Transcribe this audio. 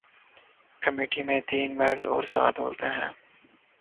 committee میں تین مرد اور سات عورتیں ہیں